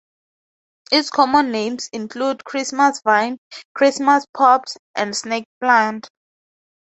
Its common names include Christmasvine, Christmaspops, and snakeplant.